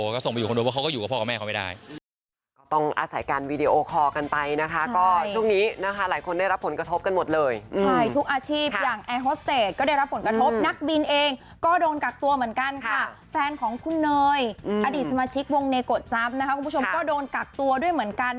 ก็ส่งไปอยู่คอนโดเพราะเขาก็อยู่กับพ่อกับแม่เขาไม่ได้